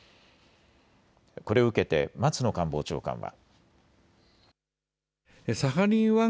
これを受けて松野官房長官は。